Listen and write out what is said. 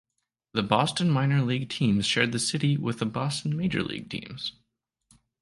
The Boston minor league teams shared the city with the Boston major league teams.